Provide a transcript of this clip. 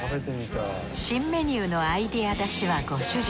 新メニューのアイデア出しはご主人。